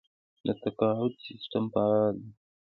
د تقاعد سیستم فعال دی؟